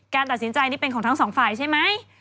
ตัดสินใจนี่เป็นของทั้งสองฝ่ายใช่ไหม